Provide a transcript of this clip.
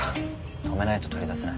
止めないと取り出せない。